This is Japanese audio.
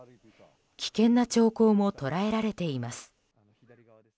危険な兆候も捉えられています。